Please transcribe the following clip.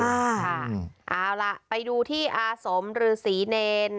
เอาล่ะไปดูที่อาสมหรือศรีเนร